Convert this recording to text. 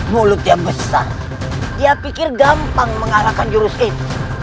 mulut yang besar dia pikir gampang mengalahkan jurus ini